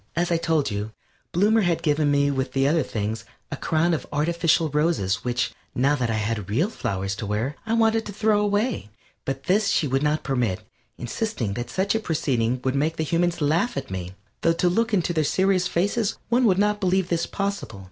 As I told you, Bloomer had given me with the other things, a crown of artificial roses which, now that I had real flowers to wear, I wanted to throw away, but this she would not permit, insisting that such a proceeding would make the humans laugh at me though to look into their serious faces one would not believe this possible.